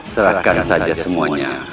serahkan saja semuanya